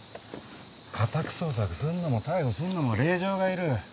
家宅捜索すんのも逮捕すんのも令状がいる。